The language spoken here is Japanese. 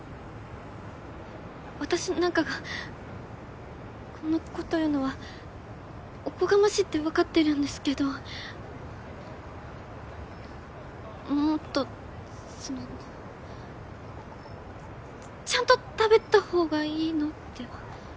私なんかがこんなこと言うのはおこがましいって分かってるんですけどもっとそのちゃんと食べた方がいいのでは。